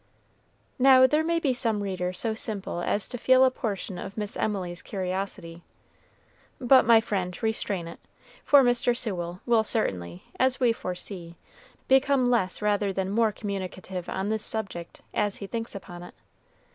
Now, there may be some reader so simple as to feel a portion of Miss Emily's curiosity. But, my friend, restrain it, for Mr. Sewell will certainly, as we foresee, become less rather than more communicative on this subject, as he thinks upon it.